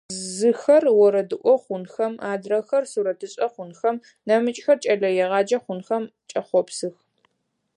Зыхэр орэдыӀо хъунхэм, адрэхэр сурэтышӀэ хъунхэм, нэмыкӀхэр кӀэлэегъаджэ хъунхэм кӀэхъопсых.